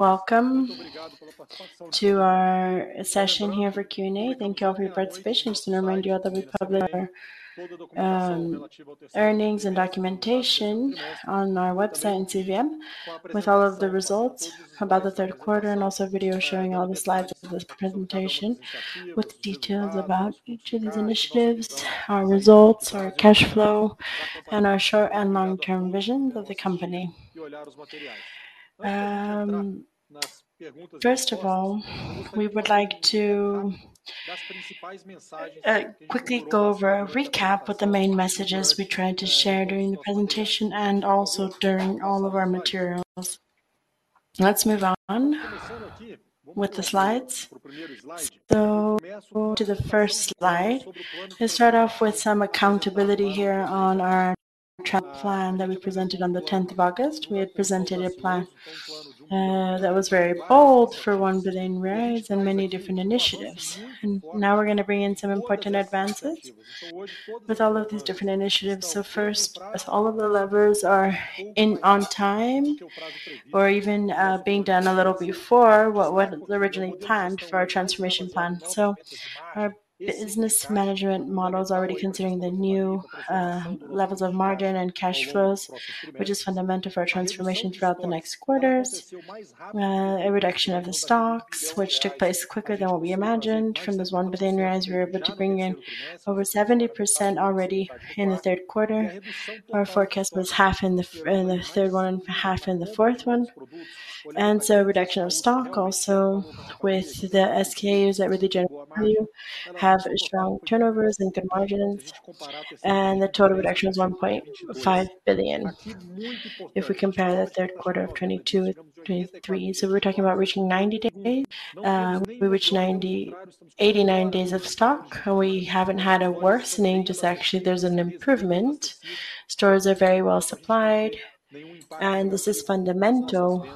Welcome to our session here for Q&A. Thank you all for your participation. Just to remind you that we publish our earnings and documentation on our website in CVM, with all of the results about the third quarter, and also a video showing all the slides of this presentation, with details about each of these initiatives, our results, our cash flow, and our short and long-term visions of the company. First of all, we would like to quickly go over a recap with the main messages we tried to share during the presentation and also during all of our materials. Let's move on with the slides. So to the first slide, let's start off with some accountability here on our track plan that we presented on the 10th of August. We had presented a plan that was very bold for 1 billion and many different initiatives, and now we're going to bring in some important advances with all of these different initiatives. So first, as all of the levers are in on time or even being done a little before what was originally planned for our transformation plan. So our business management model is already considering the new levels of margin and cash flows, which is fundamental for our transformation throughout the next quarters. A reduction of the stocks, which took place quicker than what we imagined. From this BRL 1 billion, we were able to bring in over 70% already in the third quarter. Our forecast was half in the third one, half in the fourth one, and so reduction of stock also with the SKUs that really generally have strong turnovers and good margins, and the total reduction is 1.5 billion. If we compare the third quarter of 2022 to 2023, so we're talking about reaching 90 days. We reached 89 days of stock, and we haven't had a worsening, just actually there's an improvement. Stores are very well supplied, and this is fundamental,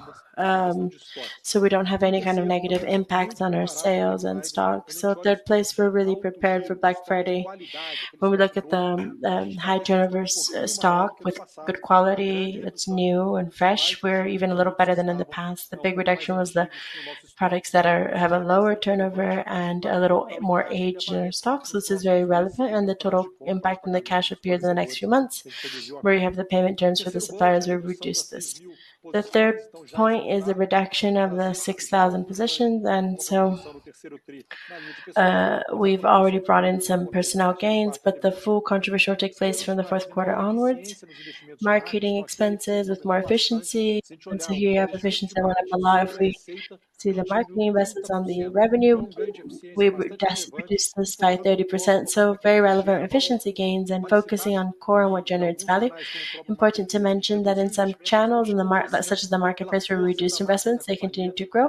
so we don't have any kind of negative impacts on our sales and stock. So third place, we're really prepared for Black Friday. When we look at the high turnover stock with good quality, it's new and fresh. We're even a little better than in the past. The big reduction was the products that have a lower turnover and a little more aged in our stocks. This is very relevant, and the total impact on the cash appears in the next few months, where you have the payment terms for the suppliers. We've reduced this. The third point is the reduction of the 6,000 positions, and so we've already brought in some personnel gains, but the full contribution will take place from the first quarter onwards. Marketing expenses with more efficiency, and so here you have efficiency went up a lot. If we see the marketing investments on the revenue, we reduced this by 30%, so very relevant efficiency gains and focusing on core and what generates value. Important to mention that in some channels, such as the marketplace, we reduced investments. They continue to grow.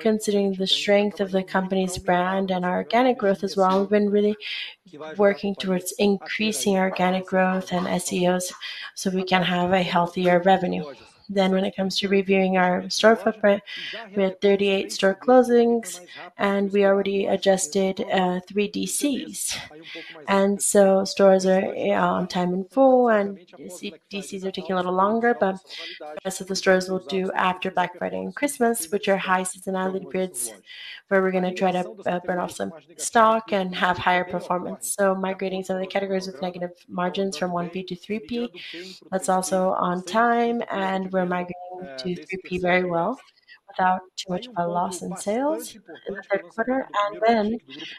Considering the strength of the company's brand and our organic growth as well, we've been really working towards increasing our organic growth and SEOs, so we can have a healthier revenue. Then when it comes to reviewing our store footprint, we had 38 store closings, and we already adjusted three DCs. And so stores are on time in full, and DC, DCs are taking a little longer, but the rest of the stores will do after Black Friday and Christmas, which are high seasonality grids, where we're going to try to burn off some stock and have higher performance. So migrating some of the categories with negative margins from 1P to 3P, that's also on time, and we're migrating to 3P very well without too much of a loss in sales in the third quarter. Then,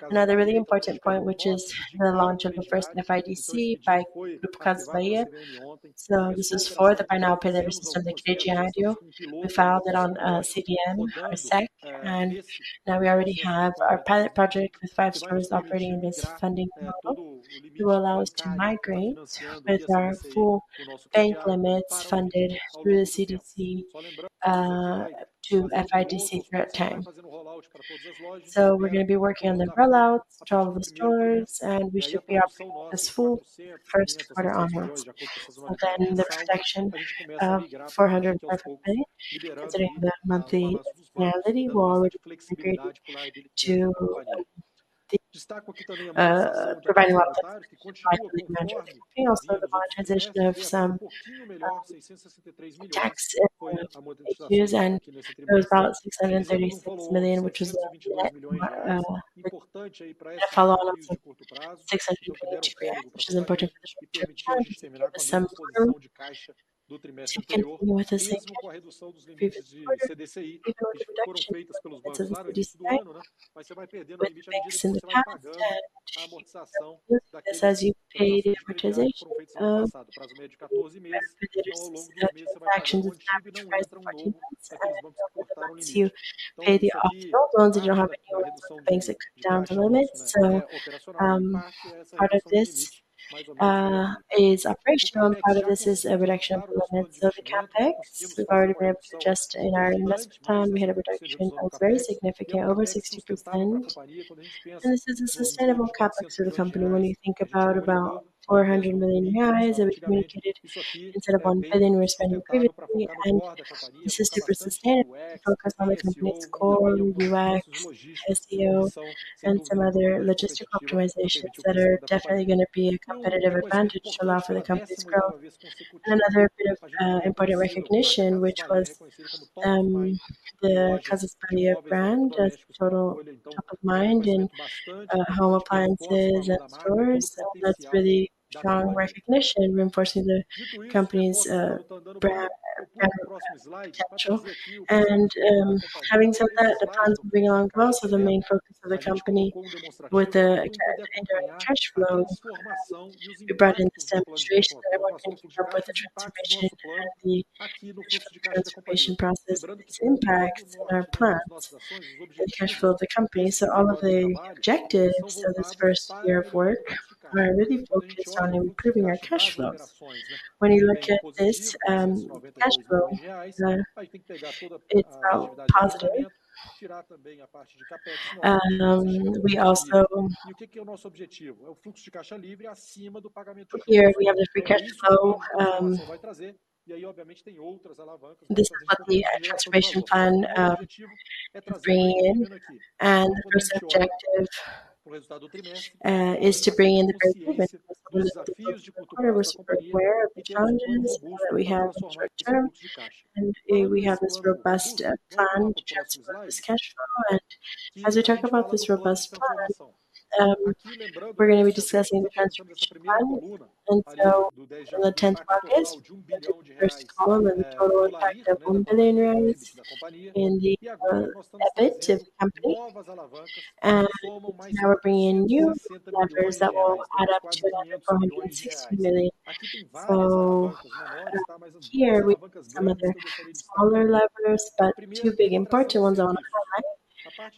another really important point, which is the launch of the first FIDC by Grupo Casas Bahia. So this is for the buy now, pay later system, the CDC. We filed it on CVM, our SEC, and now we already have our pilot project with 5 stores operating in this funding model, to allow us to migrate with our full bank limits funded through the CDC to FIDC throughout time. So we're going to be working on the rollouts to all the stores, and we should be operating this full first quarter onwards. Then the reduction of 400 basis points, considering the monthly seasonality while we agreed to the providing a lot of management. Also, the final transition of some tax issues, and it was about 676 million, which is a follow-up of 643 million, which is important to some to get more to 65. Because reduction, 65. Which makes in the past that it says you paid advertisement reductions, actions have risen 14%. You pay the optimal loans, and you don't have any banks that cut down the limits. So, part of this is operational, and part of this is a reduction of the limits of the CapEx. We've already brought just in our investment plan, we had a reduction of very significant, over 60%. And this is a sustainable CapEx for the company. When you think about BRL 400 million, as we communicated, instead of 1 billion we were spending previously, and this is super sustainable. We focus on the company's core, UX, SEO, and some other logistic optimizations that are definitely going to be a competitive advantage to allow for the company's growth. Another bit of important recognition, which was the Casas Bahia brand as total Top of Mind in home appliances and stores. That's really strong recognition, reinforcing the company's brand potential. Having said that, the plans we bring on are also the main focus of the company with the indirect cash flows. We brought in this demonstration that everyone can help with the transformation and the transformation process and its impacts on our plans and the cash flow of the company. All of the objectives of this first year of work were really focused on improving our cash flows. When you look at this cash flow, it's positive. And we also. Here, we have the free cash flow. This is what the transformation plan bringing in, and our objective is to bring in the group. We're aware of the challenges that we have in short term, and we have this robust plan to transform this cash flow. As we talk about this robust plan, we're going to be discussing the transformation plan. So on the 10th of August, first column, and total impact of 1 billion in the EBIT of the company. Now we're bringing in new levers that will add up to that 160 million. Here we have some of the smaller levers, but two big important ones on the top,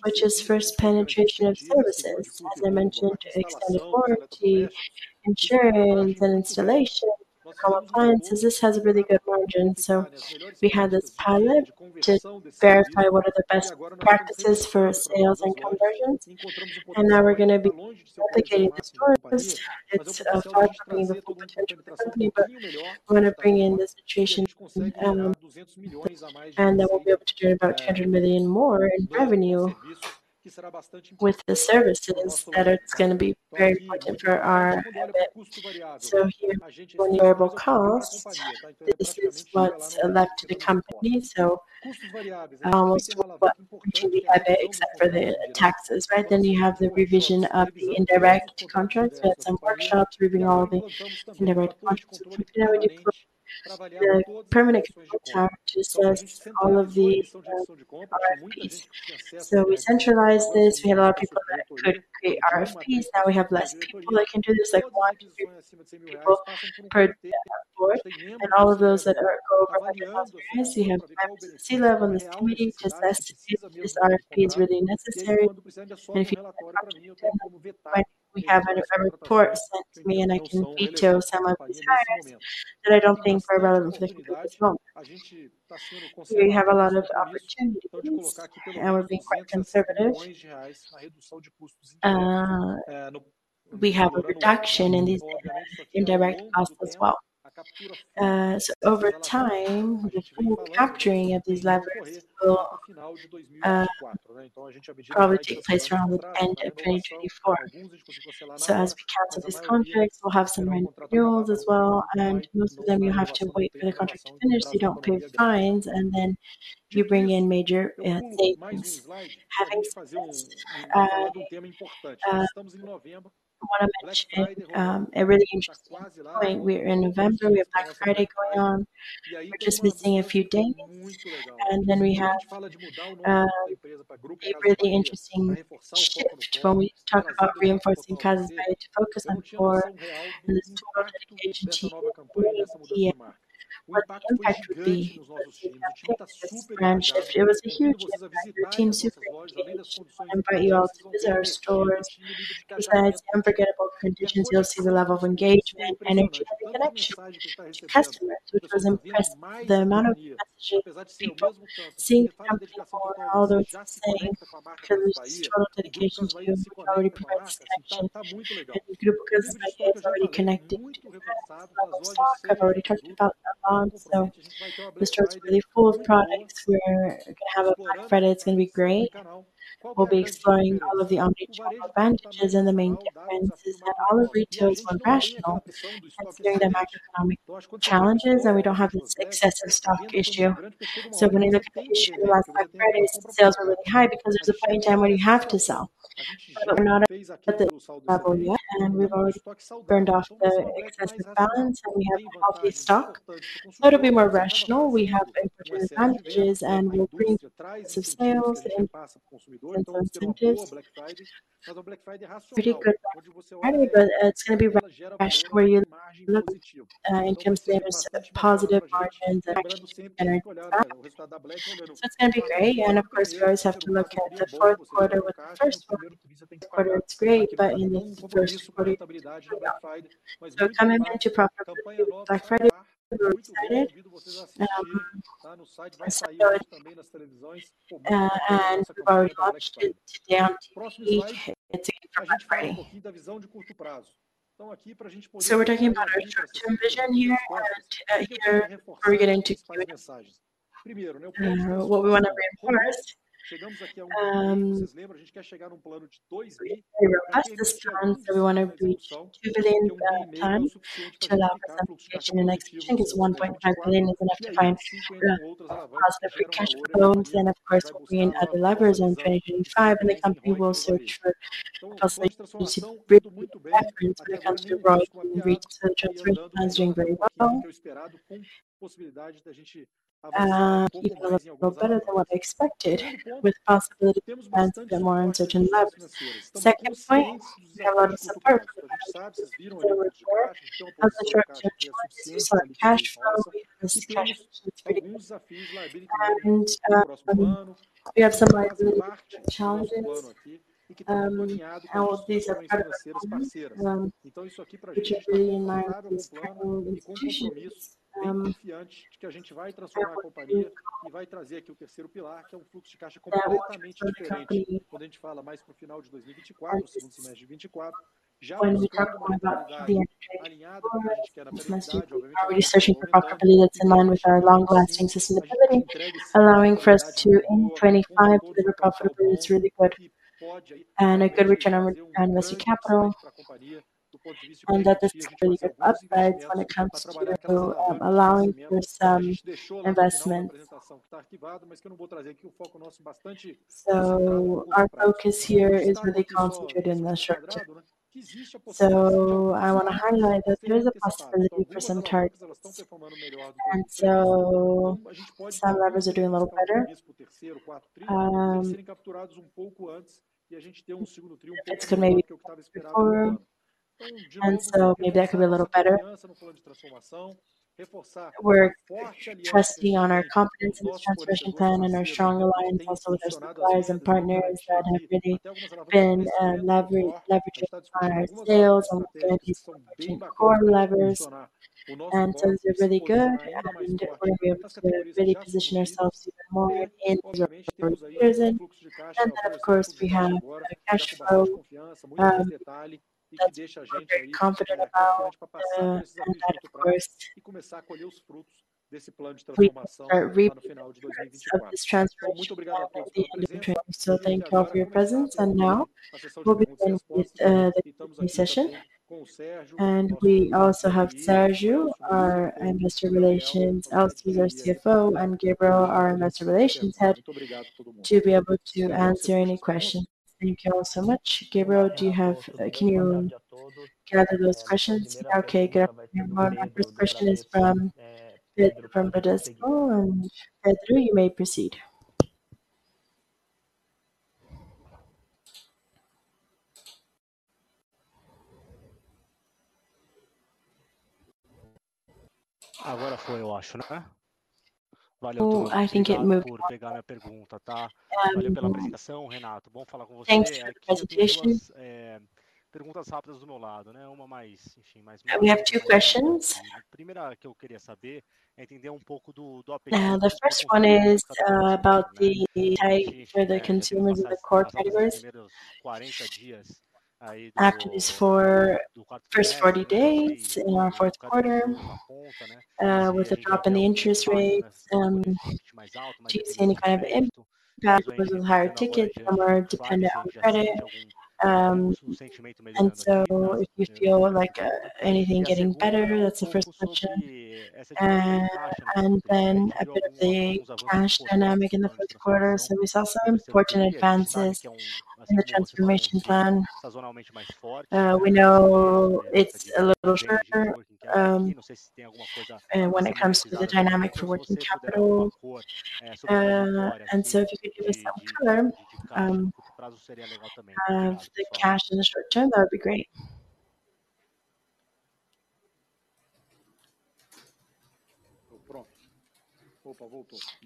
which is first penetration of services. As I mentioned, extended warranty, insurance, and installation, home appliances. This has a really good margin, so we had this pilot to verify what are the best practices for sales and conversions, and now we're going to be replicating the service. It's far from being the full potential of the company, but we're going to bring in the situation, and then we'll be able to generate about 200 million more in revenue with the services, and it's going to be very important for our EBIT. So here, variable costs, this is what's left to the company. So almost what—except for the taxes, right? Then you have the revision of the indirect contracts. We had some workshops, reviewing all the indirect contracts. Now, we deploy the permanent capital task to assess all of the RFPs. So we centralized this. We had a lot of people that tried to create RFPs. Now we have less people that can do this, like one people per board, and all of those that are over 100,000. We have C-level in this committee to assess if this RFP is really necessary. And if you, we have a report sent to me, and I can veto some of these RFPs that I don't think are relevant to the group as well. We have a lot of opportunities, and we're being quite conservative. We have a reduction in these indirect costs as well. So over time, the full capturing of these levers will probably take place around the end of 2024. So as we cancel these contracts, we'll have some renewals as well, and most of them, you have to wait for the contract to finish, so you don't pay the fines, and then you bring in major savings. Having said this, I want to mention a really interesting point. We're in November, we have Black Friday going on. We're just missing a few days, and then we have a really interesting shift when we talk about reinforcing Casas Bahia to focus on core and the store engagement team here. What the impact would be, this branch shift. It was a huge impact. Your team is super engaged. I invite you all to visit our stores. Besides unforgettable conditions, you'll see the level of engagement and the connection to customers, which was impressed. The amount of people seeing people, all those saying, because the store dedication to you already provides connection, and the group is already connected. I've already talked about the bonds, so the store is really full of products. We're-- have a Black Friday, it's going to be great. We'll be exploring all of the omni-channel advantages, and the main difference is that all of retail is more rational, considering the macroeconomic challenges, and we don't have this excessive stock issue. So when you look at the issue, the last Black Fridays, sales were really high because it was a point in time where you have to sell. But we're not at the level yet, and we've already burned off the excessive balance, and we have a healthy stock. So it'll be more rational. We have important advantages, and we'll bring some sales and some incentives. Pretty good, but it's going to be very fresh where you look in terms of the positive margins and actually. So it's going to be great, and of course, you always have to look at the fourth quarter with the first quarter. Quarter looks great, but in the first quarter, well, we're coming into proper Black Friday. We're excited, and so, and we're already watching the TV. It's Black Friday. So we're talking about our short-term vision here, and, First, what we want to reinforce, we request this time, so we want to reach 2 billion, plan to allow for some cash in the next. I think it's 1.5 billion is enough to finance our free cash flows, and of course, we'll be in other levers in 2025, and the company will search for possibility to bring reference when it comes to growth and reach and transfer plans doing very well. Even a little better than what they expected, with possibility to advance to the more uncertain levels. Second point, there are some third quarter. As I talked about challenges like cash flow, this is. We have some challenges, how these are, which will be in line with kind of strategic. When we talk about reshaping profitability that's in line with our long-lasting sustainability, allowing for us to, in 2025, deliver profitability that's really good and a good return on equity capital, and that there's some really good updates when it comes to allowing for some investment. So our focus here is really concentrated in the short term. I want to highlight that there's a possibility for some targets, and so some levers are doing a little better. It's going to maybe before, and so maybe that could be a little better. We're trusting on our confidence in this transformation plan and our strong alliance also with our suppliers and partners that have really been leveraging on our sales and these core levers. So they're really good, and we're going to be able to really position ourselves even more in the first reason. Then, of course, we have a cash flow that's very confident about, and that, of course, we are confident of this transformation by the end of 2024. So thank you all for your presence. Now we'll begin with the session. We also have Sérgio, our investor relations, Elcio our CFO, and Gabriel, our investor relations head, to be able to answer any questions. Thank you all so much. Gabriel, do you have, can you gather those questions? Okay, Gabriel. Your first question is from Pedro. And Pedro, you may proceed. Oh, I think it worked. Oh, I think it worked. Thanks for the presentation, Renato. Thanks for the presentation. We have two questions. The first one is about the type for the consumers and the core credits. After this first 40 days in our fourth quarter, with a drop in the interest rates, do you see any kind of impact with higher tickets or dependent on credit? And so if you feel like anything getting better, that's the first question. And then a bit of the cash dynamic in the fourth quarter. So we saw some important advances in the transformation plan. We know it's a little shorter, and when it comes to the dynamic for working capital. And so if you could give us some color of the cash in the short term, that would be great.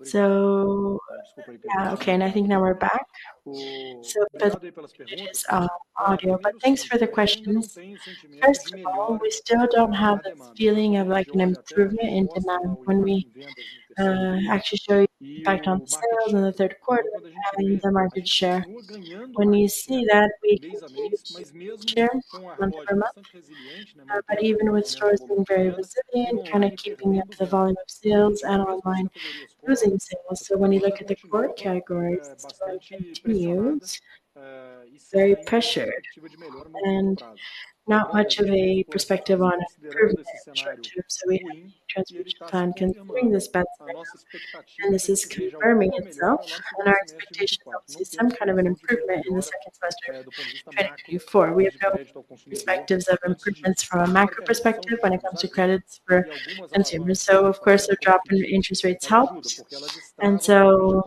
So, yeah, okay, and I think now we're back. So first, audio, but thanks for the questions. First of all, we still don't have this feeling of, like, an improvement in demand when we actually show impact on sales in the third quarter, having the market share. When you see that, we share month-over-month, but even with stores being very resilient, kind of, keeping up the volume of sales and online losing sales. So when you look at the core categories, it continues very pressured, and not much of a perspective on improvements in short term. So we have a transformation plan considering this best, and this is confirming itself, and then our expectation is some kind of an improvement in the second semester of 2024. We have perspectives of improvements from a macro perspective when it comes to credits for consumers. So of course, a drop in interest rates helps. And so,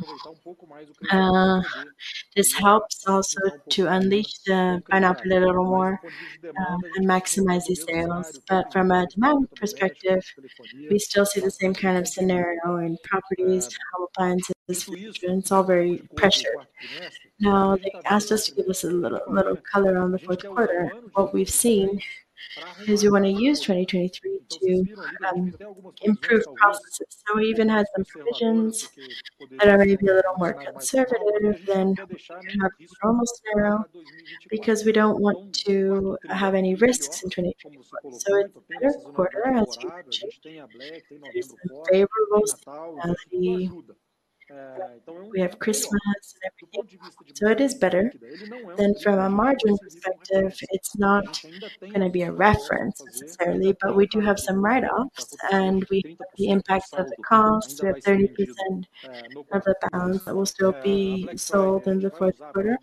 this helps also to unleash the pent-up a little more, and maximize the sales. But from a demand perspective, we still see the same kind of scenario in properties, home appliances; it's all very pressured. Now, they asked us to give us a little color on the fourth quarter. What we've seen is we want to use 2023 to improve processes. So we even had some provisions that are going to be a little more conservative than have almost zero, because we don't want to have any risks in 2024. So it's better quarter as we change, it is the favorable of the. We have Christmas and everything, so it is better. Then from a margin perspective, it's not gonna be a reference necessarily, but we do have some write-offs, and we the impact of the costs, we have 30% of the balance that will still be sold in the fourth quarter.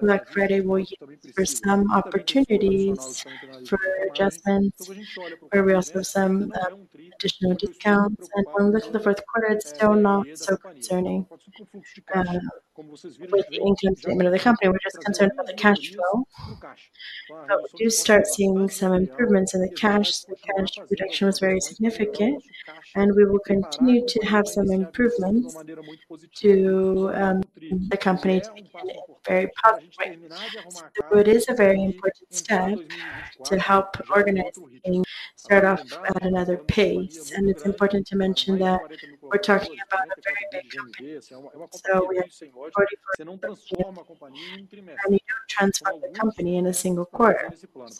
Black Friday, we there are some opportunities for adjustments, but we also have some additional discounts, and when we look at the fourth quarter, it's still not so concerning with the income statement of the company. We're just concerned about the cash flow. But we do start seeing some improvements in the cash. The cash reduction was very significant, and we will continue to have some improvements to the company to be in a very positive way. It is a very important step to help organize and start off at another pace. It's important to mention that we're talking about a very big company, so we have 44, and you don't transform the company in a single quarter.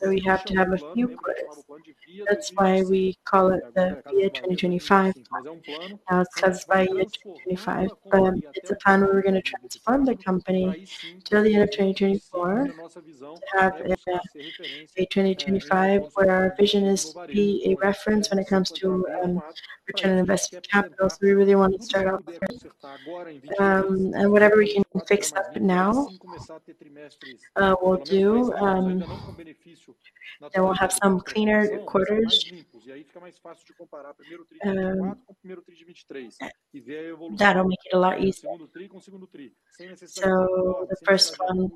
We have to have a few quarters. That's why we call it the Via 2025 plan. Now, it says by year 2025, it's a plan where we're going to transform the company till the end of 2024, to have a 2025, where our vision is to be a reference when it comes to return on investment capital. We really want to start off there. Whatever we can fix up now, we'll do, and we'll have some cleaner quarters, that'll make it a lot easier. So the first and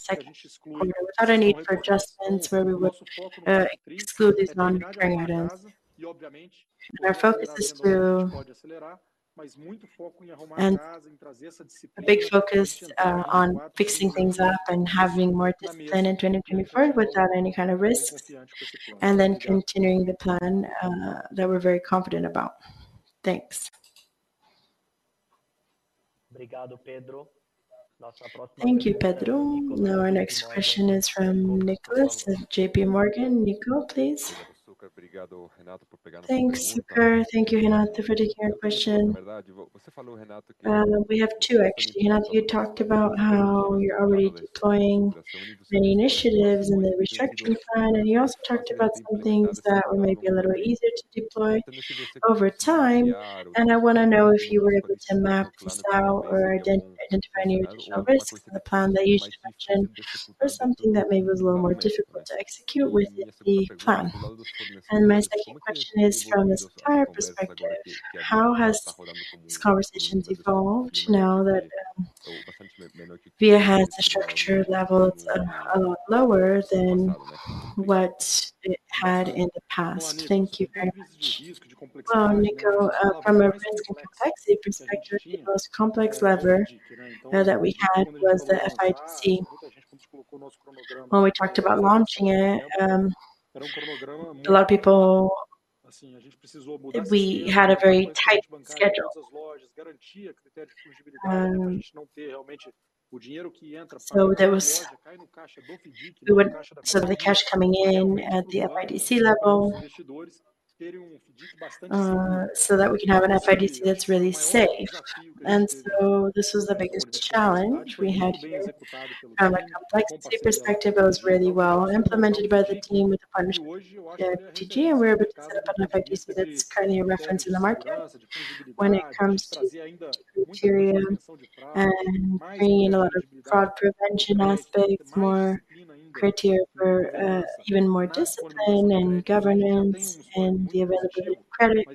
second quarter, without a need for adjustments, where we would exclude these non-recurring items. Our focus is to, and a big focus on fixing things up and having more discipline in 2024 without any kind of risks, and then continuing the plan that we're very confident about. Thanks. Thank you, Pedro. Now our next question is from Nicolas at JPMorgan. Nico, please. Thanks, Succar. Thank you, Renato, for taking our question. We have two actually. Renato, you talked about how you're already deploying many initiatives in the restructuring plan, and you also talked about some things that were maybe a little easier to deploy over time. And I want to know if you were able to map this out or identify any additional risks in the plan that you just mentioned, or something that maybe was a little more difficult to execute within the plan? And my second question is, from a supplier perspective, how has this conversation evolved now that Via has a structure level that's a lot lower than what it had in the past? Thank you very much. Well, Nico, from a risk and complexity perspective, the most complex level that we had was the FIDC. When we talked about launching it, a lot of people, we had a very tight schedule. So the cash coming in at the FIDC level, so that we can have an FIDC that's really safe. And so this was the biggest challenge we had here. From a complexity perspective, it was really well implemented by the team with the partnership, the FG, and we're able to set up an FIDC that's currently a reference in the market when it comes to criteria and bringing in a lot of fraud prevention aspects, more criteria for even more discipline and governance and the availability of credit.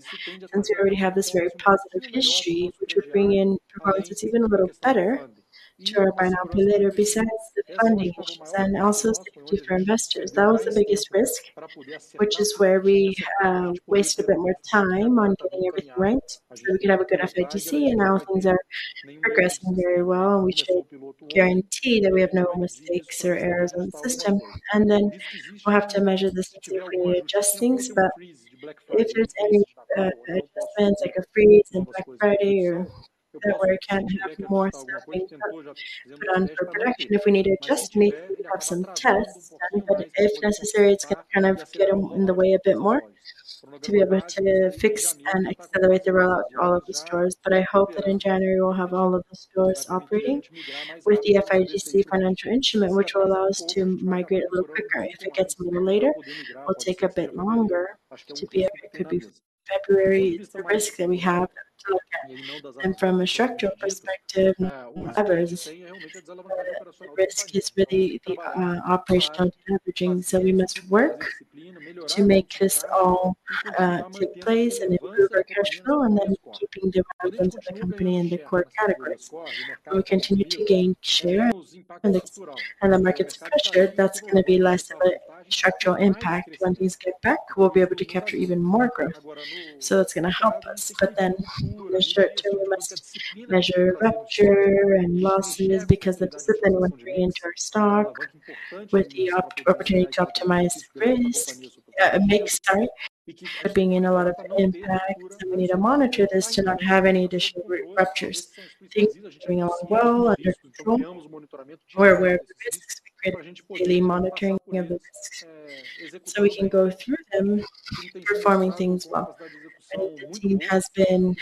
Since we already have this very positive history, which will bring in performance that's even a little better to our buy now, pay later, besides the funding, which is then also safety for investors. That was the biggest risk, which is where we wasted a bit more time on getting everything right, so we could have a good FIDC, and now things are progressing very well, and we should guarantee that we have no mistakes or errors in the system. Then we'll have to measure this to adjust things, but if there's any adjustments, like a freeze in Black Friday or then we can have more stuff being put on for production. If we need to adjust, we have some tests, but if necessary, it's going to kind of get in the way a bit more to be able to fix and accelerate the rollout to all of the stores. But I hope that in January, we'll have all of the stores operating with the FIDC financial instrument, which will allow us to migrate a little quicker. If it gets a little later, it will take a bit longer to be able to be February is the risk that we have to look at. And from a structural perspective, others, the risk is with the operational leveraging. So we must work to make this all take place and improve our cash flow, and then keeping the relevance of the company in the core categories. We continue to gain share, and the market's pressured, that's going to be less of a structural impact. When things get back, we'll be able to capture even more growth. So that's going to help us. But then in the short term, we must measure rupture and losses because the discipline went into our stock with the opportunity to optimize risk mix, right? But being in a lot of impact, so we need to monitor this to not have any additional ruptures. Things are doing well, under control. We're aware of the business, we're daily monitoring of the risk. So we can go through them, performing things well. I think the team has been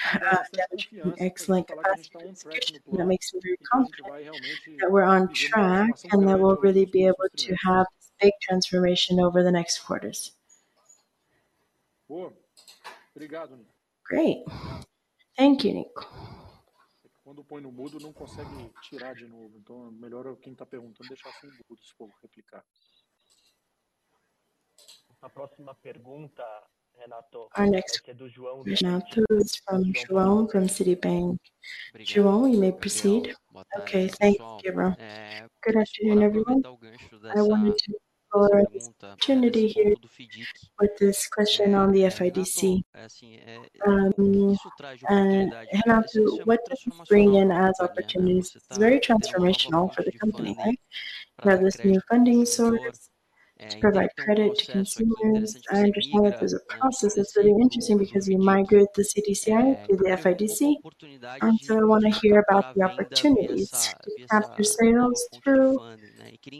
definitely excellent at execution, and that makes me very confident that we're on track and that we'll really be able to have a big transformation over the next quarters. Great. Thank you, Nico. Our next question is from João from Citibank. João, you may proceed. Okay, thank you, Deborah. Good afternoon, everyone. I wanted to thank for this opportunity here with this question on the FIDC. And Renato, what does this bring in as opportunities? It's very transformational for the company, right? You have this new funding source to provide credit to consumers. I understand that there's a process that's really interesting because you migrate the CDC to the FIDC, and so I want to hear about the opportunities to capture sales through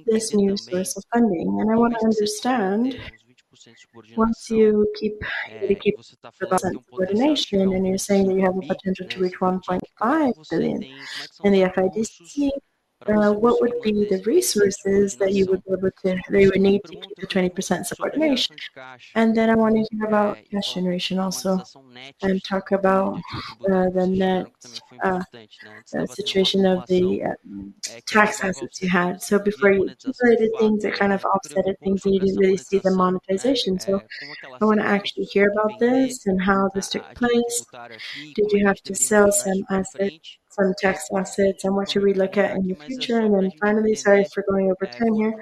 this new source of funding. I want to understand, once you keep, you keep the percent of subordination, and you're saying that you have a potential to reach 1.5 billion in the FIDC, what would be the resources that you would be able to—that you would need to keep the 20% subordination? Then I want to hear about cash generation also, and talk about the net situation of the tax assets you had. So before you completed things, it kind of offset things, and you didn't really see the monetization. So I want to actually hear about this and how this took place. Did you have to sell some assets, some tax assets, and what should we look at in the future? And then finally, sorry for going over time here,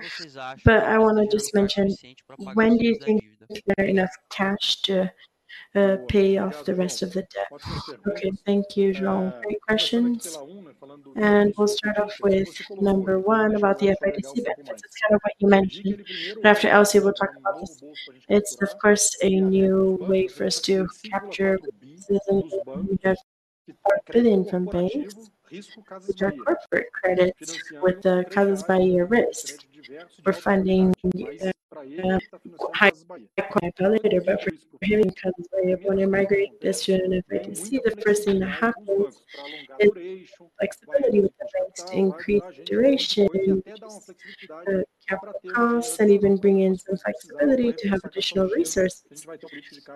but I want to just mention, when do you think there are enough cash to pay off the rest of the debt? Okay. Thank you, João. Great questions. And we'll start off with number one about the FIDC benefits. It's kind of what you mentioned, but after Elcio, we'll talk about this. It's of course, a new way for us to capture business within from banks, which are corporate credit with the Casas Bahia risk for funding, high quality of reference, because when you're migrating this to an FIDC, the first thing that happens is flexibility with the banks to increase duration, which is the capital costs, and even bring in some flexibility to have additional resources,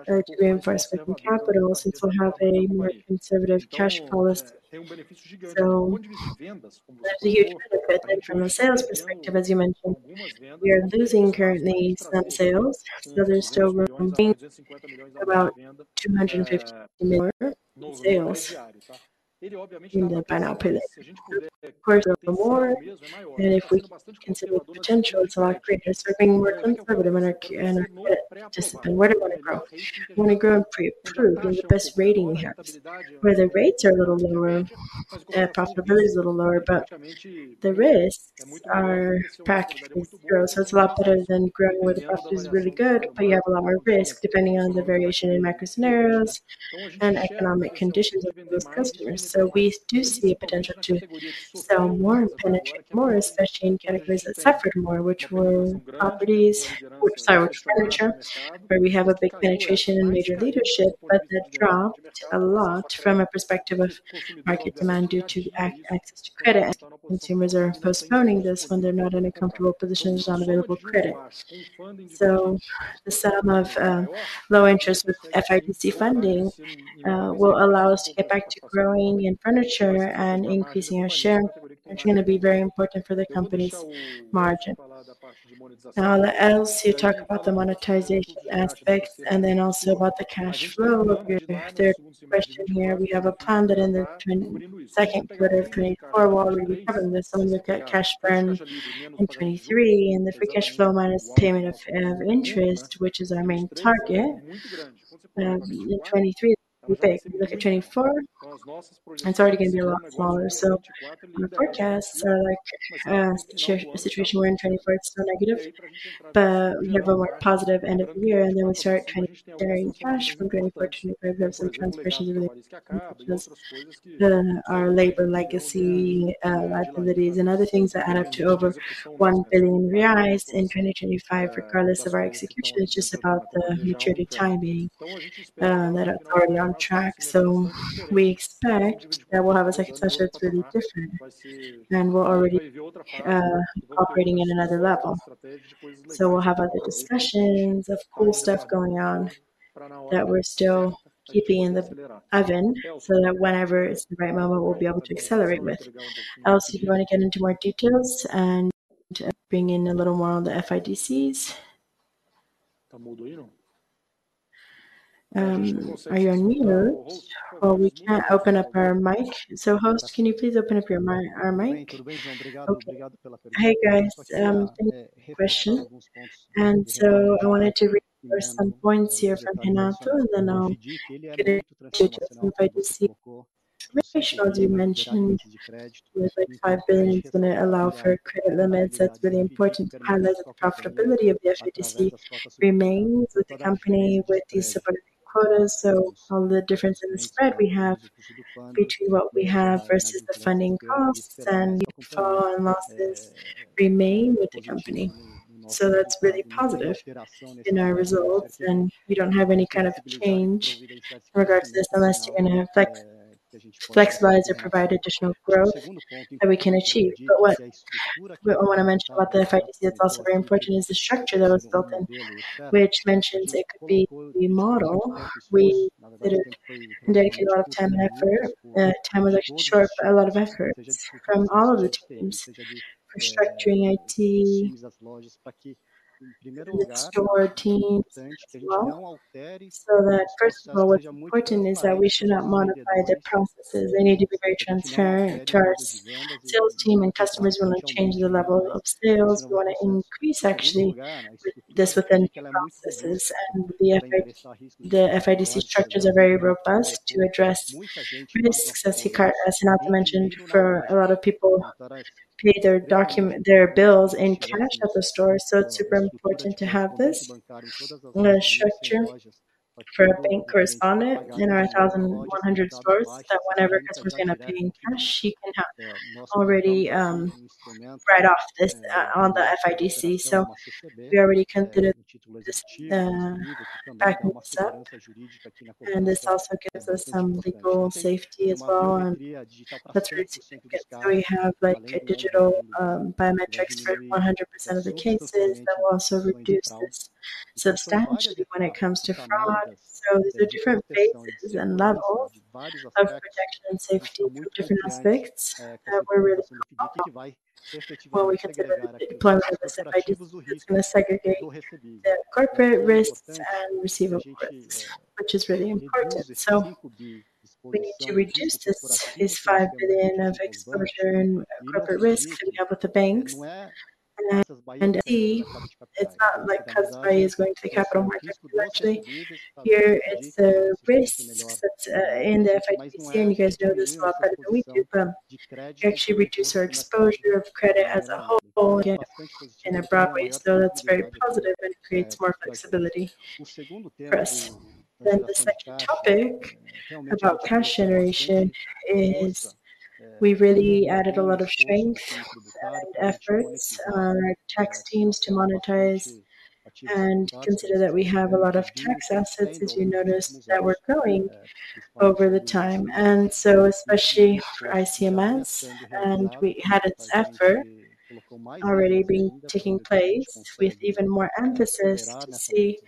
to reinforce working capital, since we'll have a more conservative cash policy. So that's a huge benefit. And from a sales perspective, as you mentioned, we are losing currently some sales, so there's still room, being about 250 million more in sales in the buy now, pay later. Of course, a little more, and if we consider the potential, it's a lot greater. So we're being more conservative in our, in our participant. Where do we want to grow? We want to grow and improve with the best rating we have, where the rates are a little lower, profitability is a little lower, but the risks are practically zero. So it's a lot better than growing where the profitability is really good, but you have a lot more risk, depending on the variation in macro scenarios and economic conditions of those customers. So we do see potential to sell more and penetrate more, especially in categories that suffered more, which were properties. Sorry, furniture, where we have a big penetration and major leadership, but that dropped a lot from a perspective of market demand due to access to credit. Consumers are postponing this when they're not in a comfortable position on available credit. So the sum of low interest with FIDC funding will allow us to get back to growing in furniture and increasing our share, which is going to be very important for the company's margin. Now, I'll let Elcio talk about the monetization aspects and then also about the cash flow of your third question here. We have a plan that in the second quarter of 2024, we're already having this. When we look at cash burn in 2023 and the free cash flow minus payment of interest, which is our main target, in 2023, we look at 2024, it's already going to be a lot smaller. So our forecasts are like situation we're in 2024, it's still negative, but we have a more positive end of the year, and then we start transferring cash from 2024 to 2025. There's some transformation because the, our labor legacy liabilities and other things that add up to over 1 billion reais in 2025, regardless of our execution. It's just about the maturity timing, that are already on track. So we expect that we'll have a second semester that's really different, and we're already, operating in another level. So we'll have other discussions, of cool stuff going on, that we're still keeping in the oven, so that whenever it's the right moment, we'll be able to accelerate with. Elcio, if you want to get into more details and bring in a little more on the FIDCs. Are you on mute? Or we can't open up our mic. So, host, can you please open up your mi- our mic? Okay. Hi, guys, thank you for the question. I wanted to read some points here from Renato, and then I'll get into the FIDC. As you mentioned, with like 5 billion, it's going to allow for credit limits. That's really important to highlight that the profitability of the FIDC remains with the company with these subordinated quotas. So all the difference in the spread we have between what we have versus the funding costs and default and losses remain with the company. So that's really positive in our results, and we don't have any kind of change in regards to this, unless you're gonna flex, flex lines or provide additional growth that we can achieve. But what, what I wanna mention about the FIDC that's also very important is the structure that was built in, which mentions it could be the model. We dedicated a lot of time and effort, time was actually short, but a lot of efforts from all of the teams, for structuring IT, and the store teams as well. So that first of all, what's important is that we should not modify the processes. They need to be very transparent to our sales team, and customers will not change the level of sales. We wanna increase actually this within processes and the effect, the FIDC structures are very robust to address this success case, as not mentioned, for a lot of people pay their their bills in cash at the store, so it's super important to have this, structure for a bank correspondent in our 1,100 stores, that whenever a customer is gonna pay in cash, he can have already, write off this on the FIDC. So we already considered this, backwards up, and this also gives us some legal safety as well, and that's really significant. So we have, like, a digital biometrics for 100% of the cases that will also reduce this substantially when it comes to fraud. So there's different phases and levels of protection and safety for different aspects that we're really proud of. Well, when we consider the deployment of this FIDC, it's gonna segregate the corporate risks and receivable risks, which is really important. So we need to reduce this, this 5 billion of exposure and corporate risk that we have with the banks. And then, and see, it's not like Casas Bahia is going to the capital market, actually. Here, it's the risks that's in the FIDC, and you guys know this well, but we do actually reduce our exposure of credit as a whole in a broad way. So that's very positive, and it creates more flexibility for us. Then the second topic about cash generation is we really added a lot of strength and efforts on our tax teams to monetize and consider that we have a lot of tax assets, as you noticed, that we're growing over the time. And so especially for ICMS, and we had its effort already being taking place with even more emphasis to see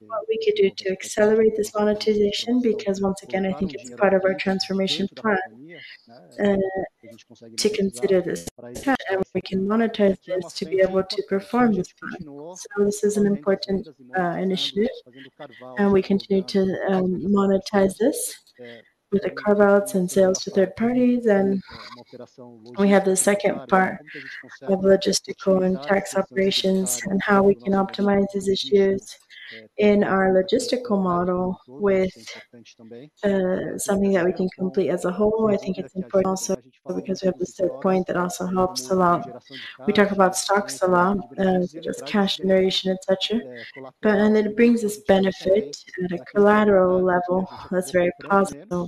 what we could do to accelerate this monetization, because once again, I think it's part of our transformation plan to consider this. And if we can monetize this, to be able to perform this plan. So this is an important initiative, and we continue to monetize this with the carve-outs and sales to third parties. And we have the second part of logistics and tax operations and how we can optimize these issues in our logistical model with something that we can complete as a whole. I think it's important also because we have the third point that also helps a lot. We talk about stocks a lot, just cash generation, et cetera. But it brings this benefit at a collateral level that's very positive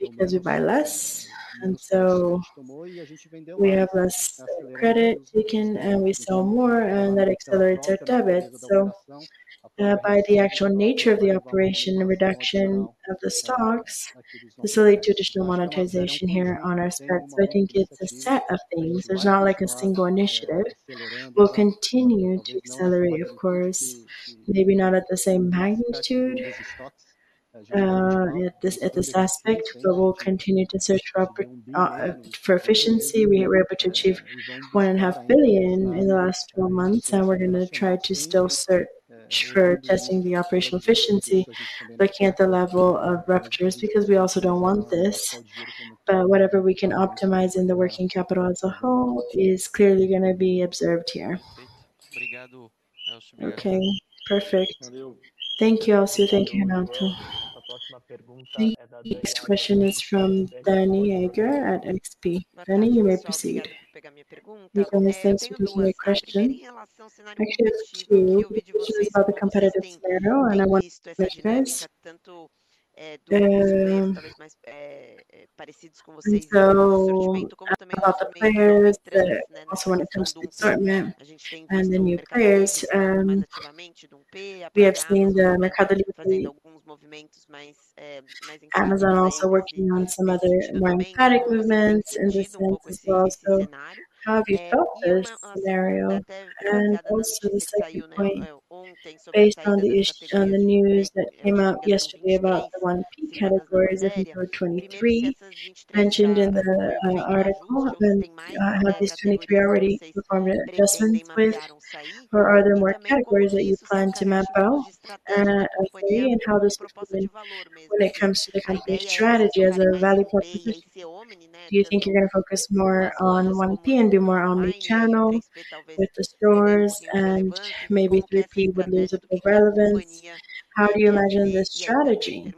because we buy less, and so we have less credit, we can. And we sell more, and that accelerates our debit. So by the actual nature of the operation and reduction of the stocks, facilitate traditional monetization here on our specs. So I think it's a set of things. It's not like a single initiative. We'll continue to accelerate, of course, maybe not at the same magnitude, at this, at this aspect, but we'll continue to search for efficiency. We were able to achieve 1.5 billion in the last 12 months, and we're gonna try to still search for testing the operational efficiency, looking at the level of ruptures, because we also don't want this. But whatever we can optimize in the working capital as a whole is clearly gonna be observed here. Okay, perfect. Thank you, Elcio. Thank you, Renato. The next question is from Danniela Eiger at XP. Danny, you may proceed. Thank you very much, thanks for taking my question. Actually, I have two, which is about the competitive scenario, and I want to switch this. And so, about the players, also when it comes to the assortment and the new players, we have seen the Mercado Libre, Amazon also working on some other more mechanical movements in this sense as well. So how have you felt this scenario? And also the second point, based on the news that came out yesterday about the 1P categories, I think there were 23 mentioned in the article, and have these 23 already performed an adjustment with, or are there more categories that you plan to map out, okay, and how this will play when it comes to the company's strategy as a value proposition? Do you think you're gonna focus more on 1P and do more omni-channel with the stores and maybe 3P would lose a bit of relevance? How do you imagine the strategy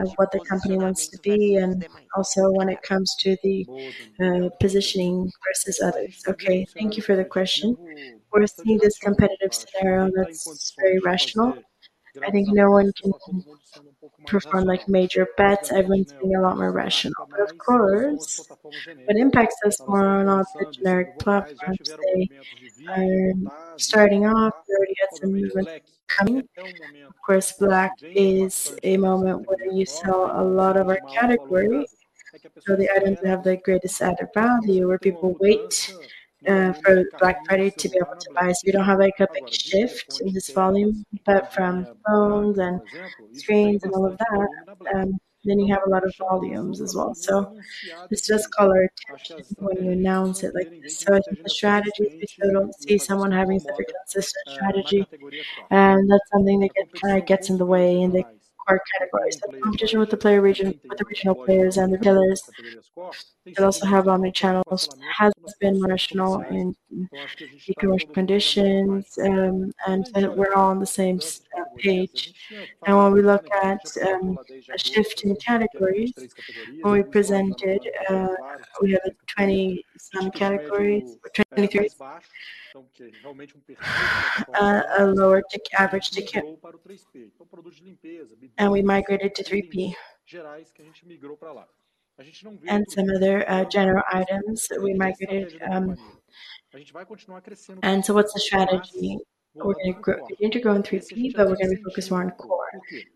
of what the company wants to be, and also when it comes to the positioning versus others? Okay, thank you for the question. We're seeing this competitive scenario that's very rational. I think no one can perform, like, major bets. Everyone's being a lot more rational. But of course, what impacts us more or not, the generic platforms today are starting off. We already had some movement coming in. Of course, Black is a moment where you sell a lot of our category. So the items have the greatest added value, where people wait for Black Friday to be able to buy. So you don't have, like, a big shift in this volume, but from phones and screens and all of that, then you have a lot of volumes as well. So it's just color attached when you announce it like this. So I think the strategy is, you don't see someone having a very consistent strategy, and that's something that kinda gets in the way, and they are categorized. The competition with the regional players and the dealers that also have how many channels has been rational in economic conditions, and we're all on the same page. And when we look at a shift in categories, when we presented, we have twenty-some categories, 23. A lower ticket average ticket, and we migrated to 3P. And some other general items that we migrated. What's the strategy? We're gonna grow. We're going to grow in 3P, but we're gonna be focused more on core.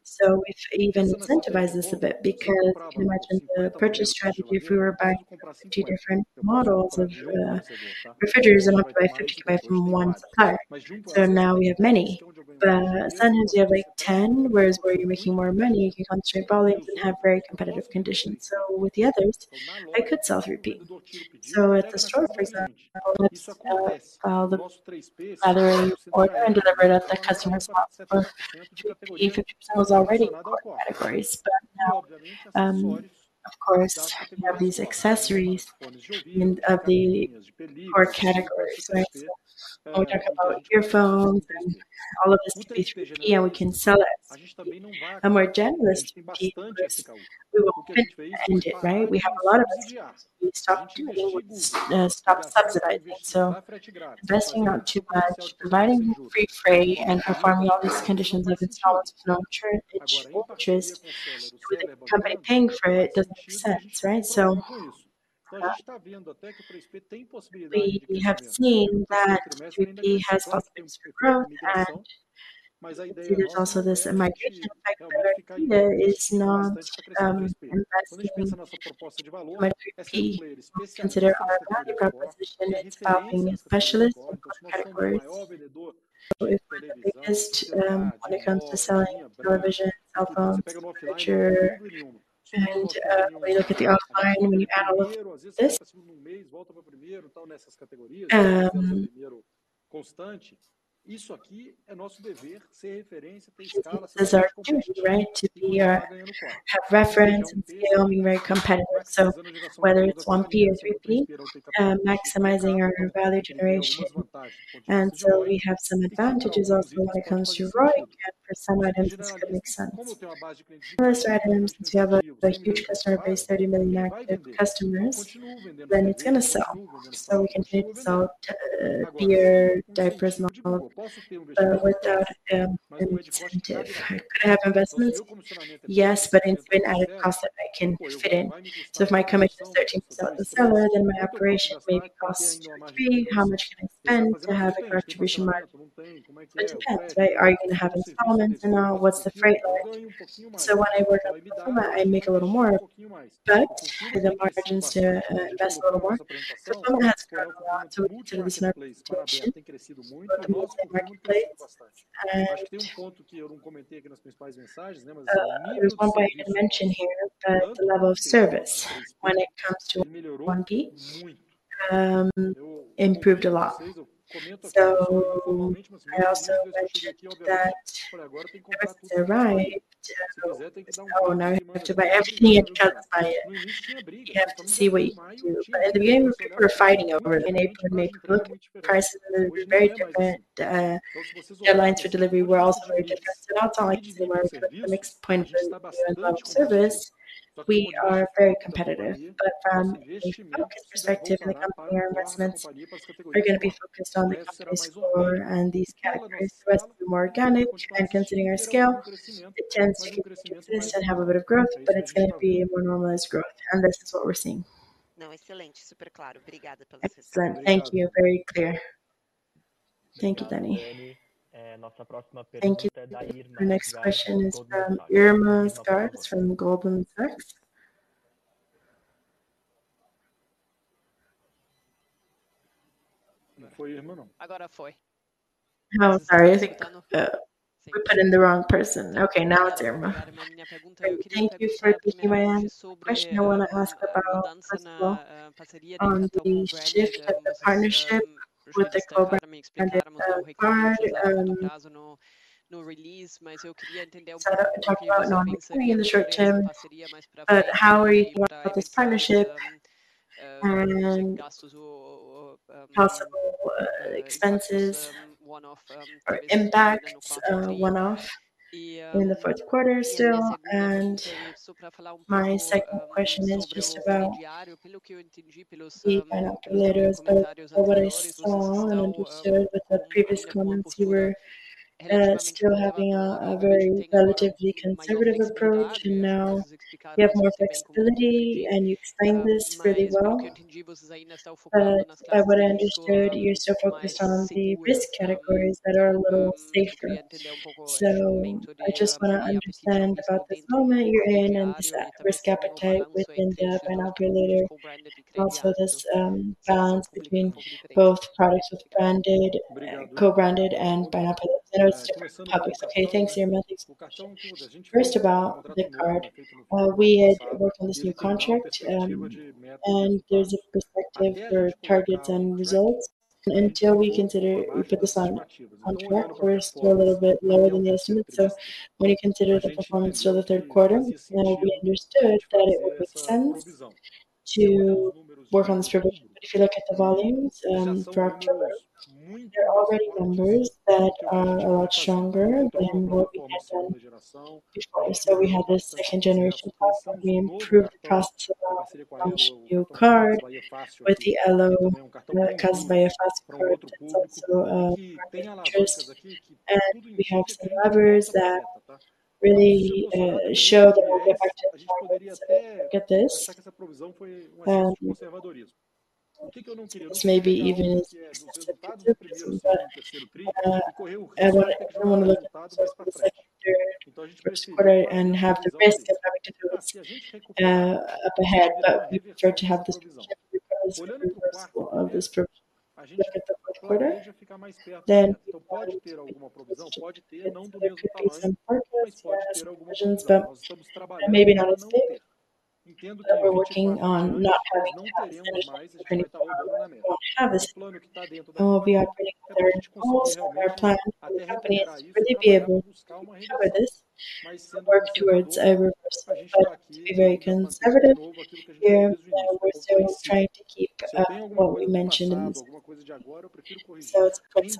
So it even incentivizes a bit because you can imagine the purchase strategy, if we were buying 50 different models of refrigerators and not to buy 50, buy from one supplier. So now we have many, but sometimes you have, like, 10, whereas where you're making more money, you can concentrate volumes and have very competitive conditions. So with the others, I could sell through 3P. So at the store, for example, the other order and delivered at the customer spot, if it was already in core categories. But now, of course, you have these accessories in of the core categories, right? So when we talk about earphones and all of this, yeah, we can sell it. A more generous 1P, just we will end it, right? We have a lot of customers. We stop doing, stop subsidizing. So investing not too much, providing free freight and performing all these conditions, like installments, no interest purchase, without paying for it, doesn't make sense, right? So, we have seen that 3P has possibilities for growth, and there's also this migration factor. There is not investing for 3P. Consider our value proposition and helping specialists in core categories. So it's biggest when it comes to selling television, headphones, furniture, and when you look at the offline, we have all of this. This is our duty, right? To have reference and scale and being very competitive. So whether it's 1P or 3P, maximizing our value generation. We have some advantages also when it comes to ROI, and for some items, it's gonna make sense. Most items, since we have a huge customer base, 30 million active customers, then it's gonna sell. So we can sell beer, diapers, and all without incentive. Could have investments? Yes, but it's been at a cost that I can fit in. So if my commission is 13% to sell it, then my operation may cost 20. How much can I spend to have a contribution margin? It depends, right? Are you gonna have installments and what's the freight like? So when I work on that, I make a little more, but there's more margins to invest a little more. So that's grown a lot to this marketplace. The marketplace, and, there's one point I didn't mention here, but the level of service when it comes to 1P improved a lot. So I also mentioned that customers arrive. Oh, now you have to buy everything, and I have to see what you do. But in the beginning, we were fighting over being able to make low prices very different. The timelines for delivery were also very different. So that's all eased where we put a mixed point of service. We are very competitive, but from a focus perspective in the company, our investments are gonna be focused on the company's core and these categories. The rest is more organic, and considering our scale, it tends to keep existing and have a bit of growth, but it's gonna be a more normalized growth, and this is what we're seeing. Excellent. Thank you. Very clear. Thank you, Danny. Thank you. The next question is from Irma Sgarz from Goldman Sachs. Oh, sorry, I think we put in the wrong person. Okay, now it's Irma. Thank you for taking my question. I want to ask about, first of all, on the shift at the partnership with the Globo and the card so that we talked about normally in the short term, but how are you going about this partnership and possible expenses, or impact one-off in the fourth quarter still? And my second question is just about the BIN operator, but by what I saw and understood with the previous comments, you were still having a very relatively conservative approach, and now you have more flexibility, and you explained this really well. But by what I understood, you're still focused on the risk categories that are a little safer. So I just want to understand about the moment you're in and this risk appetite within the BIN operator. Also, this balance between both products with branded co-branded and BIN operators, you know, different publics. Okay, thanks very much. First of all, the card. We had worked on this new contract, and there's a perspective for targets and results. Until we consider, we put this on track, we're still a little bit lower than the estimate, so when you consider the performance of the third quarter, then we understood that it would make sense to work on the distribution. But if you look at the volumes for October, there are already numbers that are a lot stronger than what we had done before. So we have this second generation plus, we improved the process, launched new card with the Elo, caused by a fast card. It's also quite interesting, and we have some levers that really show that we have to look at this. Maybe even specific but, and I wanna look at the second quarter, first quarter and have the best opportunity up ahead, but we've tried to have this of this first quarter, then there could be some provisions, but maybe not as stated. But we're working on not having to have any. We have this, we are putting their goals, their plans, companies really be able to cover this, work towards a reverse to be very conservative here. We're still trying to keep what we mentioned in this. So it's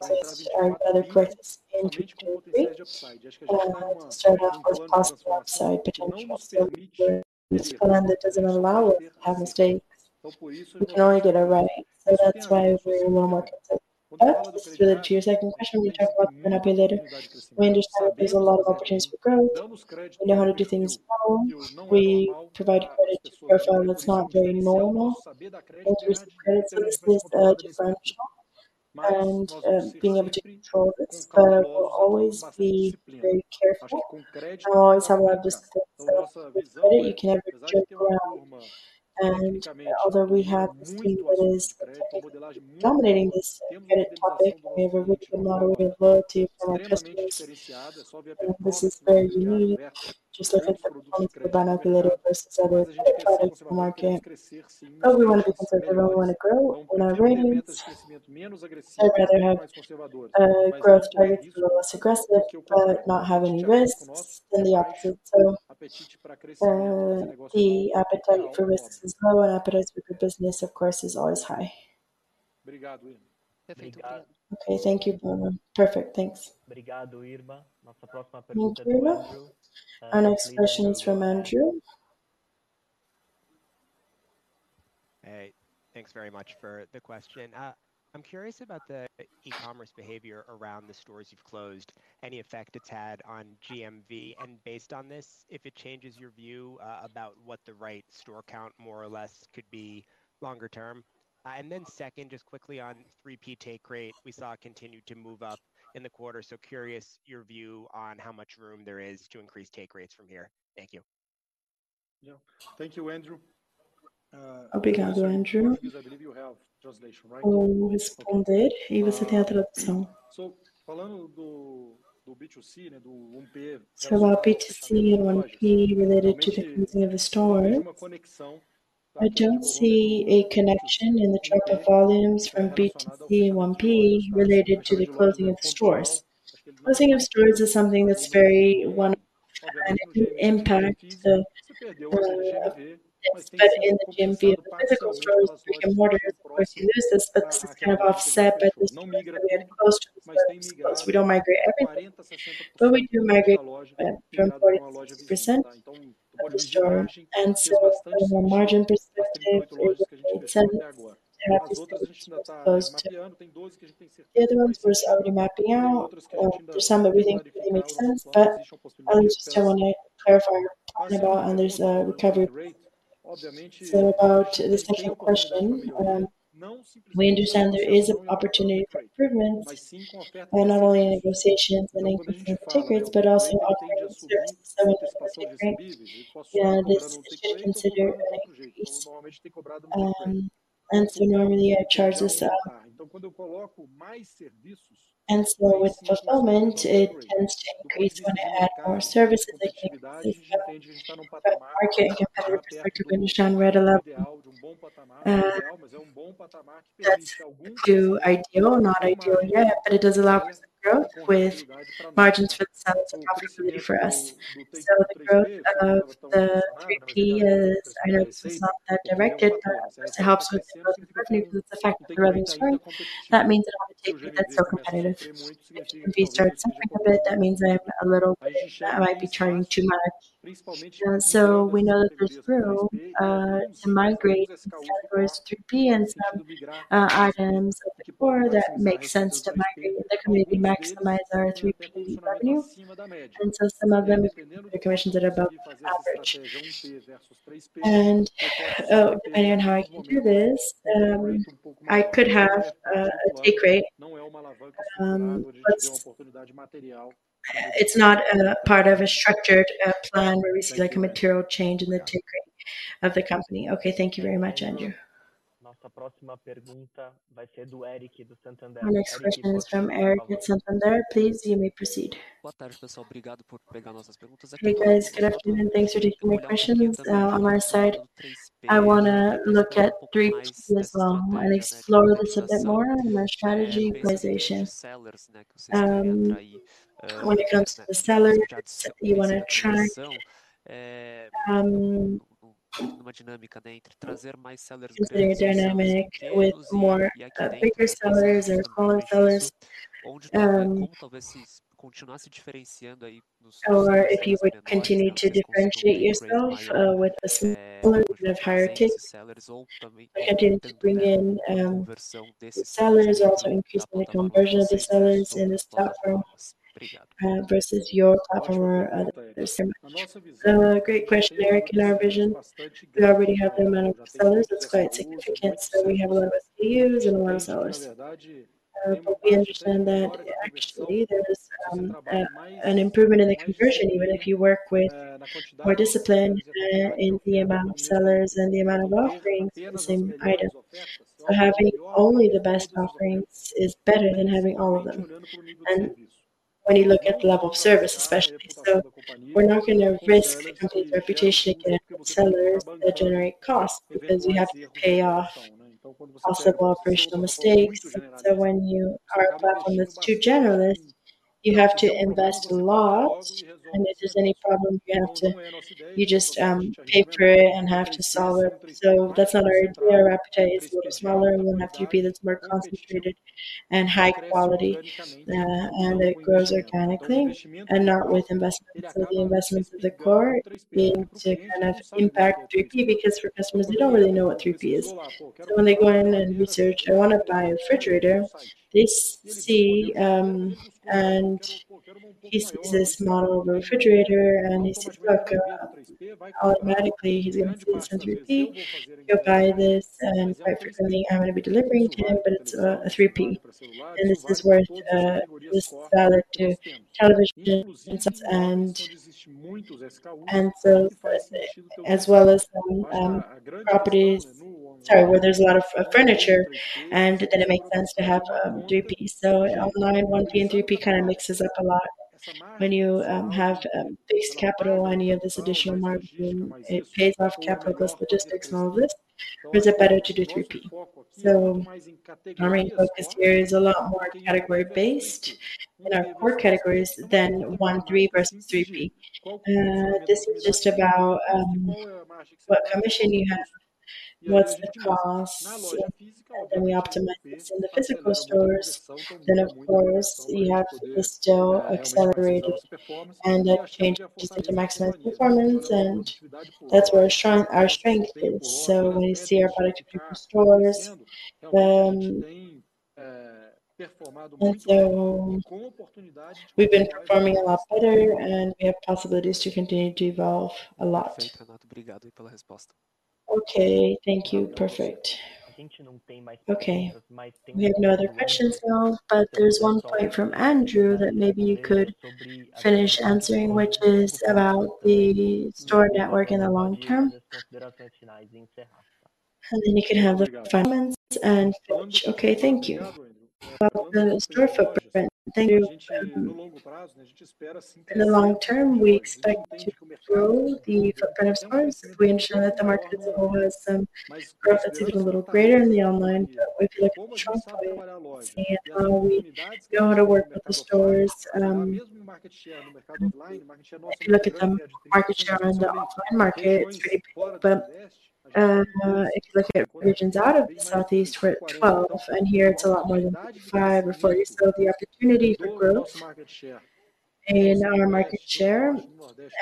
possible process and other processes into two weeks, and then start off as possible. So potentially, still plan that doesn't allow us to have mistakes. We can only get it right, so that's why we're more conservative. But to your second question, we talk about BIN operator. We understand that there's a lot of opportunities for growth. We know how to do things well. We provide credit to a profile that's not very normal. Interesting credit, since this differential and being able to control this. But we'll always be very careful. We always have a lot of this, you can never jump around. And although we have this people that is dominating this credit topic, we have a rich model with loyalty for our customers. This is very unique, just like the banQi operator versus other products in the market. But we want to be conservative, we want to grow in our ratings and rather have growth targets a little less aggressive, but not have any risks than the opposite. So, the appetite for risk is low, and appetite for good business, of course, is always high. Thank you. Okay, thank you, Paula. Perfect. Thanks. Thank you, Irma. Our next question is from Andrew. Hey, thanks very much for the question. I'm curious about the e-commerce behavior around the stores you've closed, any effect it's had on GMV, and based on this, if it changes your view about what the right store count, more or less, could be longer term? And then second, just quickly on 3P take rate, we saw it continued to move up in the quarter. So curious your view on how much room there is to increase take rates from here. Thank you. Yeah. Thank you, Andrew. Obrigado, Andrew. I believe you have translation, right? So about B2C and 1P related to the closing of the stores. I don't see a connection in the type of volumes from B2C and 1P related to the closing of the stores. Closing of stores is something that's very one, and it can impact the, but in the GMV of the physical stores, we can more, of course, use this, but it's kind of offset by this. We don't migrate everything, but we do migrate from 40%-60% of the store, and so from a margin perspective, it would make sense to have this closed, too. The other ones we're already mapping out for some that we think really make sense, but I just want to clarify, we're talking about, and there's a recovery. So about the second question, we understand there is an opportunity for improvement, and not only negotiations and increase take rates, but also opportunities. Some of this, this is considered, and so normally, I charge this up. And so with fulfillment, it tends to increase when I add more services, like, the market competitive perspective, and we're at a level, that's too ideal or not ideal yet, but it does allow for some growth with margins for the sellers and opportunity for us. So the growth of the 3P is, I know it's not that directed, but it helps with the growth, the fact that the revenue is growing. That means that it's so competitive. If we start suffering a bit, that means I have a little bit that I might be trying too much. So we know that this through to migrate versus 3P and some items before that makes sense to migrate and that can maybe maximize our 3P revenue. And so some of them, the commissions are above average. And, depending on how I can do this, I could have a take rate. Let's, It's not a part of a structured plan where we see, like, a material change in the take rate of the company. Okay, thank you very much, Andrew. Our next question is from Eric at Santander. Please, you may proceed. Hey, guys. Good afternoon, thanks for taking my questions. On my side, I wanna look at 3P as well and explore this a bit more in our strategy optimization. When it comes to the sellers you wanna attract, dynamic with more bigger sellers and smaller sellers. Or if you would continue to differentiate yourself with a smaller of higher tickets, and then to bring in sellers, also increase the conversion of the sellers in this platform versus your platform or other so much. So, great question, Eric. In our vision, we already have the amount of sellers that's quite significant. So we have a lot of SKUs and a lot of sellers. But we understand that actually, there is an improvement in the conversion, even if you work with more discipline in the amount of sellers and the amount of offerings for the same item. So having only the best offerings is better than having all of them, and when you look at the level of service, especially. So we're not gonna risk the company's reputation, getting sellers that generate costs because you have to pay off possible operational mistakes. So when you are a platform that's too generalist, you have to invest a lot, and if there's any problem, you have to, you just pay for it and have to solve it. So that's not our idea. Our appetite is a little smaller, and we have 3P that's more concentrated and high quality, and it grows organically and not with investments. So the investments of the core need to kind of impact 3P, because for customers, they don't really know what 3P is. So when they go in and research, "I wanna buy a refrigerator," they see, and he sees this model of a refrigerator, and he says, "Okay," automatically, he's gonna see some 3P. He'll buy this, and then quite frequently, I'm gonna be delivering to him, but it's a 3P. And this is worth this value to television and so, and so, as well as some properties, sorry, where there's a lot of furniture, and then it makes sense to have 3P. So online, 1P and 3P kinda mixes up a lot. When you have base capital and you have this additional margin, it pays off capital, plus logistics, and all this. But is it better to do 3P? So our main focus here is a lot more category-based in our core categories than 1P, 3P versus 3P. This is just about what commission you have, what's the cost, and then we optimize this. In the physical stores, then, of course, you have this still accelerated and that change into maximize performance, and that's where our strong—our strength is. So when we see our product in physical stores, and so we've been performing a lot better, and we have possibilities to continue to evolve a lot. Okay, thank you. Perfect. Okay. We have no other questions now, but there's one point from Andrew that maybe you could finish answering, which is about the store network in the long term. And then you can have the comments and finish. Okay, thank you. About the store footprint. Thank you. In the long term, we expect to grow the footprint of stores. We ensure that the market is always growth is even a little greater in the online. But if you look at the trend, see how we go to work with the stores, if you look at the market share in the offline market, it's very big. But if you look at regions out of the Southeast, we're at 12, and here it's a lot more than five or four years ago. The opportunity for growth and our market share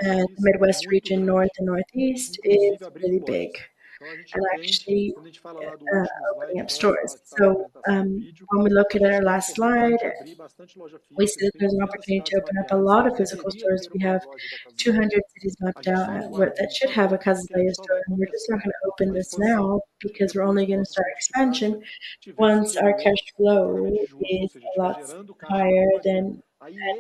in Midwest region, North, and Northeast is really big. We're actually opening up stores. So, when we look at our last slide, we see there's an opportunity to open up a lot of physical stores. We have 200 cities mapped out that should have a Casas Bahia store. And we're just not gonna open this now because we're only gonna start expansion once our cash flow is a lot higher than,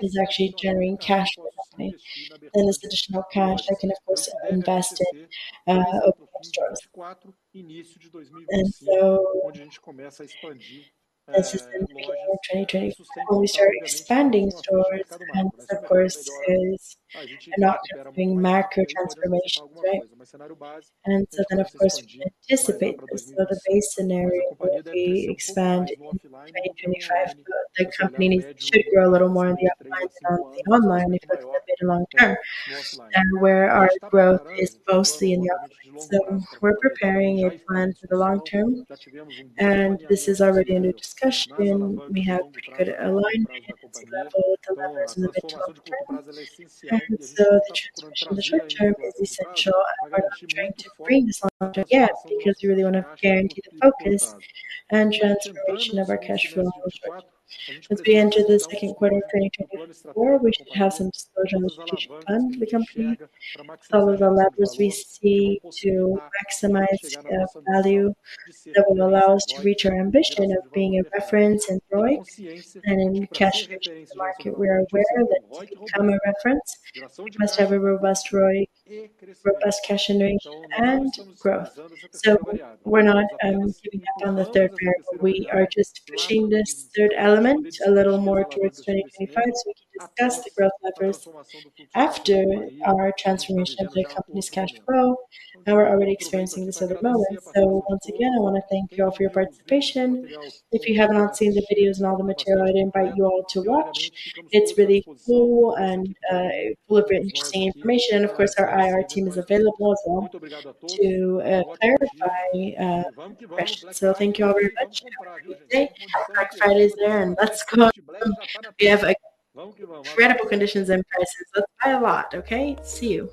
is actually generating cash flow for the company. Then this additional cash, I can, of course, invest in opening stores. And so this is the beginning of 2020, when we start expanding stores, and of course, is not being macro transformation. And so then, of course, we anticipate this. So the base scenario, where we expand in 2025, the company should grow a little more on the outlets, on the online, if it's the mid- to long-term, and where our growth is mostly in the outlets. So we're preparing a plan for the long term, and this is already under discussion. We have pretty good alignment in this level, with the levers in the mid- to long-term. So the transformation in the short term is essential. I'm not trying to bring this long term yet, because you really wanna guarantee the focus and transformation of our cash flow. As we enter the second quarter of 2024, we should have some exposure on the strategic fund of the company. Some of the levers we see to maximize the value that will allow us to reach our ambition of being a reference in ROI and in cash market. We are aware that to become a reference, we must have a robust ROI, robust cash generation, and growth. So we're not keeping back on the third pillar. We are just pushing this third element a little more towards 2025, so we can discuss the growth levers after our transformation of the company's cash flow, and we're already experiencing this at the moment. So once again, I wanna thank you all for your participation. If you have not seen the videos and all the material, I'd invite you all to watch. It's really cool and full of interesting information. And of course, our IR team is available as well to clarify questions. Thank you all very much. Have a good day. Black Friday is there, and let's go. We have incredible conditions and prices, so buy a lot, okay? See you.